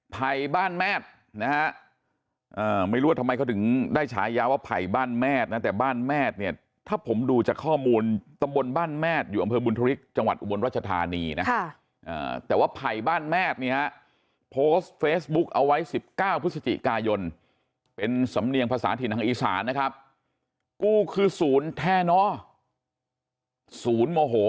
ภัยบ้านแมทนะฮะไม่รู้ว่าทำไมเขาถึงได้ฉายาว่าไผ่บ้านแมทนะแต่บ้านแมทเนี่ยถ้าผมดูจากข้อมูลตำบลบ้านแมทอยู่อำเภอบุญธริกจังหวัดอุบลรัชธานีนะแต่ว่าไผ่บ้านแมทเนี่ยฮะโพสต์เฟซบุ๊กเอาไว้๑๙พฤศจิกายนเป็นสำเนียงภาษาถิ่นทางอีสานนะครับกู้คือศูนย์แท่นอศูนย์โมโห